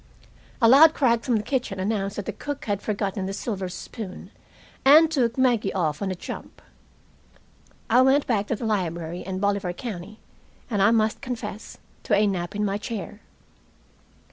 A loud crack from the kitchen announced that cook had forgotten the silver spoon, and took Maggie off on a jump. I went back to the library and "Bolivar County," and, I must confess, to a nap in my chair.